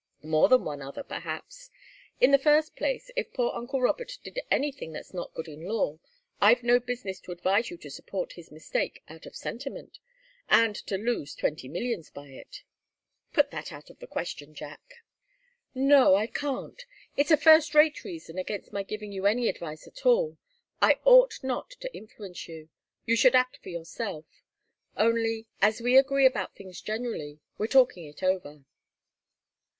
"More than one other, perhaps. In the first place, if poor uncle Robert did anything that's not good in law, I've no business to advise you to support his mistake out of sentiment, and to lose twenty millions by it." "Put that out of the question, Jack." "No I can't. It's a first rate reason against my giving you any advice at all. I ought not to influence you. You should act for yourself. Only, as we agree about things generally, we're talking it over."